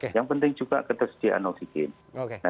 yang penting juga ketersediaan oksigen